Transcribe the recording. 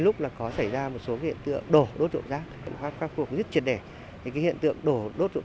lúc có xảy ra một số hiện tượng đổ đốt rượu rác hoặc phát phục rất triệt để hiện tượng đổ đốt rượu